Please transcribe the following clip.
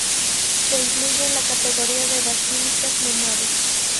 Se incluye en la categoría de basílicas menores.